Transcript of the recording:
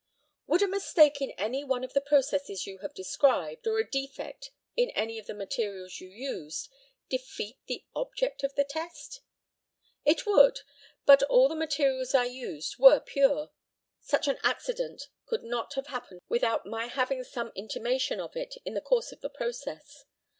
] Would a mistake in any one of the processes you have described, or a defect in any of the materials you used, defeat the object of the test? It would, but all the materials I used were pure. Such an accident could not have happened without my having some intimation of it in the course of the process.